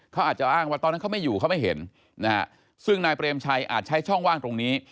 เขาอาจจะอ้างว่าตอนนั้นเขาไม่อยู่เขาไม่เห็นนะฮะซึ่งนายเปรมชัยอาจใช้ช่องว่างตรงนี้